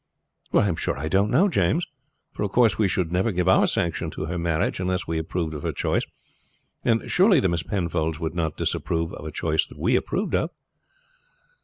"I am sure I don't know, James; for of course, we should never give our sanction to her marriage unless we approved of her choice, and surely the Miss Penfolds would not disapprove of a choice that we approved of?"